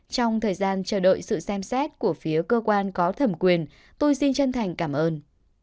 trong thời gian chờ đợi sự xem xét của phía cơ quan có thẩm quyền tôi xin chân thành cảm ơn